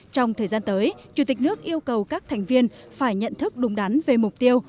trong thời gian tới chủ tịch nước yêu cầu các thành viên phải nhận thức đúng đắn về mục tiêu